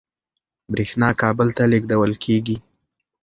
برېښنا کابل ته لېږدول کېږي.